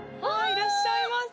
いらっしゃいませ！